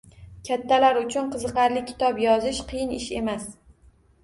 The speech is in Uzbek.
Kattalar uchun qiziqarli kitob yozish qiyin ish emas